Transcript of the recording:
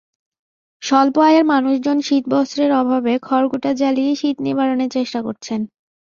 স্বল্প আয়ের মানুষজন শীতবস্ত্রের অভাবে খড়কুটা জ্বালিয়ে শীত নিবারণের চেষ্টা করছেন।